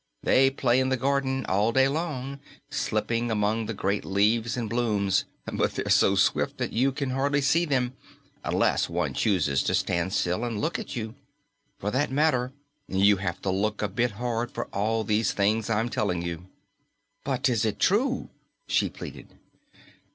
They play in the garden, all day long, slipping among the great leaves and blooms, but they're so swift that you can hardly see them, unless one chooses to stand still and look at you. For that matter, you have to look a bit hard for all these things I'm telling you." "But it is true?" she pleaded.